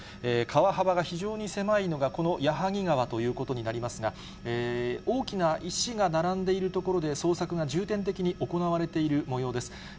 川幅が非常に狭いのがこの矢作川ということになりますが、大きな石が並んでいる所で、捜索が重点的に行われているもようです。